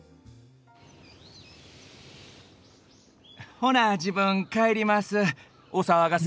ほな自分帰ります。